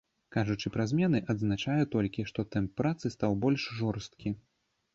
Кажучы пра змены, адзначае толькі, што тэмп працы стаў больш жорсткі.